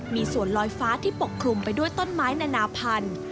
มีส่วนลอยฟ้าที่ปกคลุมไปด้วยต้นไม้นานาพันธุ์